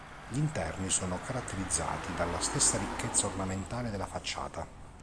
Gli interni sono caratterizzati dalla stessa ricchezza ornamentale della facciata.